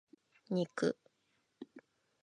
肉